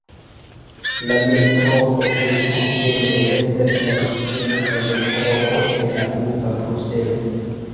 La Metroo de Bruselo estas la sistemo de metroo en la urbo Bruselo.